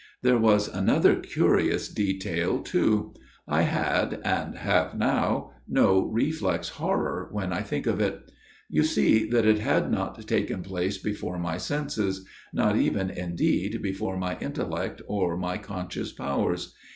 " There was another curious detail too. I had and have now no reflex horror when I think of it. You see that it had not taken place before my senses not even, indeed, before my intel lect or my conscious powers.